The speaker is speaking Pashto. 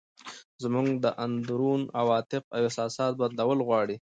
زموږ د اندرون عواطف او احساسات بدلول غواړي.